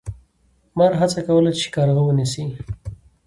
مار هڅه کوله چې کارغه ونیسي.